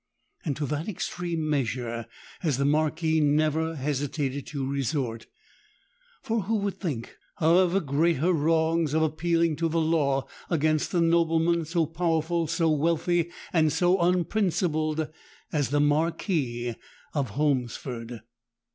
And to that extreme measure has the Marquis never hesitated to resort;—for who would think, however great her wrongs, of appealing to the law against a nobleman so powerful, so wealthy, and so unprincipled as the Marquis of Holmesford?